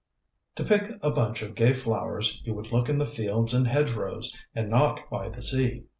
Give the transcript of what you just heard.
To pick a bunch of gay flowers you would look in the fields and hedge rows, and not by the sea.